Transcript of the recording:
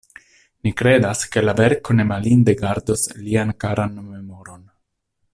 Ni kredas, ke la verko ne malinde gardos lian karan memoron.